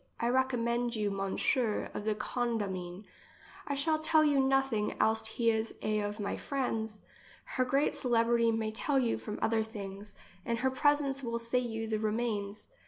I recommend you M. of the Condamine. I shall tell you nothing, else he is a of my friends. Her great celebrity may tell you from others things, and her presence will say you the remains.